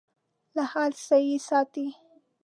له هر څه یې ساتي .